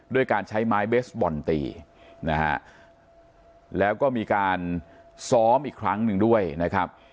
ด้วยการใช้ไม้เบสบอลตีนะฮะแล้วก็มีการซ้อมอีกครั้งหนึ่งด้วยนะครับ